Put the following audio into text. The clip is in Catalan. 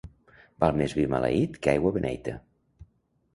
Val més vi maleït que aigua beneita.